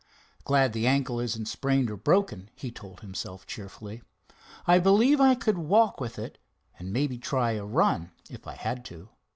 "Glad the ankle isn't sprained or broken," he told himself cheerfully. "I believe I could walk with it, and maybe try a run, if I had to."